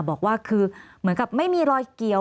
บอกว่าคือเหมือนกับไม่มีรอยเกี่ยว